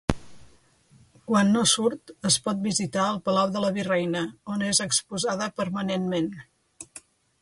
Quan no surt, es pot visitar al Palau de la Virreina, on és exposada permanentment.